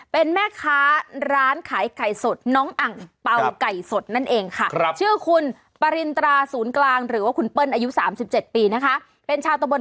เป็นอย่างนั้นจริงคุณช็อคเลยเหรอ